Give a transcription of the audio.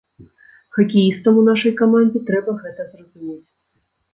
Хакеістам у нашай камандзе трэба гэта зразумець.